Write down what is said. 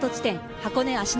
箱根芦ノ